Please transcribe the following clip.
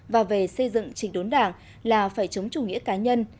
và về xây dựng trình đốn đảng là phải chống chủ nghĩa cá nhân